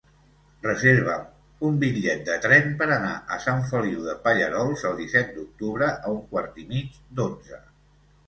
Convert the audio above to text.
Reserva'm un bitllet de tren per anar a Sant Feliu de Pallerols el disset d'octubre a un quart i mig d'onze.